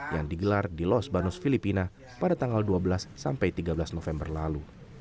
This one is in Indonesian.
yang digelar di losbanus filipina pada tanggal dua belas sampai tiga belas november lalu